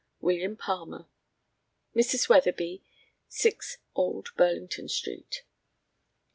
"WM. PALMER." "Messrs. Weatherby, 6, Old Burlington street."